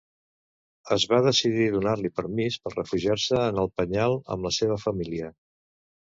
Es va decidir donar-li permís per refugiar-se en el penyal amb la seva família.